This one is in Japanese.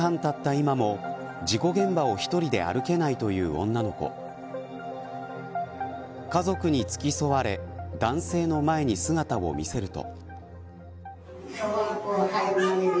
今も事故現場を１人で歩けないという女の子家族に付き添われ男性の前に姿を見せると。